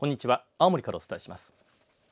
青森からお伝えします。